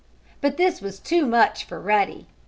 But this was too much for Ruddy.